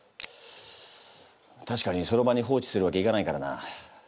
たしかにその場に放置するわけいかないからな。